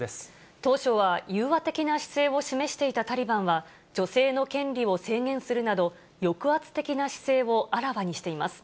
当初は融和的な姿勢を示していたタリバンは、女性の権利を制限するなど、抑圧的な姿勢をあらわにしています。